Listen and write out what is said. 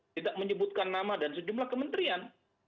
tidak menyebutkan nama dan sejumlah kementerian